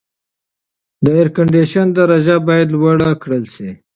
د اېرکنډیشن درجه باید لوړه کړل شي.